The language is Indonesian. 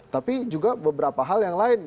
tapi juga beberapa hal yang lain